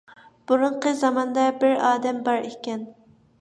بۇرۇنقى زاماندا بىر ئادەم بار ئىكەن.